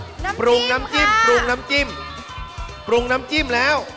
น้ำปรุงน้ำจิ้มปรุงน้ำจิ้มปรุงน้ำจิ้มแล้ว